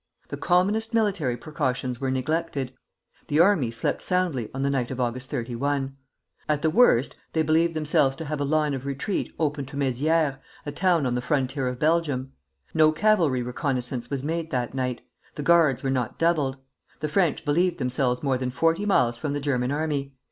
The commonest military precautions were neglected. The army slept soundly on the night of August 31. At the worst they believed themselves to have a line of retreat open to Mézières, a town on the frontier of Belgium. No cavalry reconnoissance was made that night; the guards were not doubled. The French believed themselves more than forty miles from the German army.